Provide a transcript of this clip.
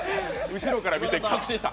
後ろから見て確信した！